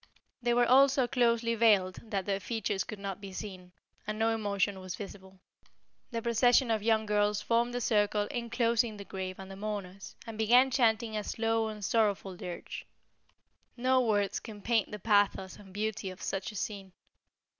They were all so closely veiled that their features could not be seen, and no emotion was visible. The procession of young girls formed a circle inclosing the grave and the mourners, and began chanting a slow and sorrowful dirge. No words can paint the pathos and beauty of such a scene.